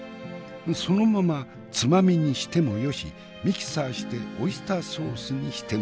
そのままつまみにしてもよしミキサーしてオイスターソースにしてもよし。